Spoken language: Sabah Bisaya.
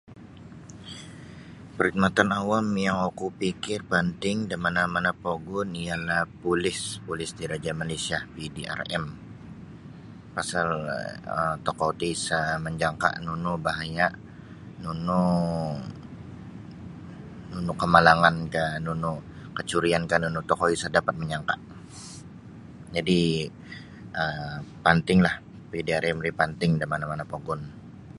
Parkhidmatan awam yang oku pikir panting da mana-mana pogun ialah polis polis diraja Malaysia PDRM pasal um tokou ti isa majangka nunu bahayanya nunu nunu kamalangan kah nunu kacurian kah nunu tokou isa dapat manyangka jadi um pantinglah PDRM ti panting da mana-mana pogun.